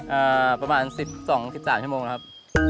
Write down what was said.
ประมาณสิบสองสิบสามชั่วโมงแล้วครับ